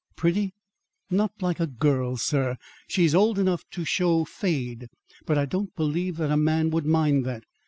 "Pretty?" "Not like a girl, sir. She's old enough to show fade; but I don't believe that a man would mind that.